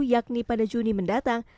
yakni pada juni mendatang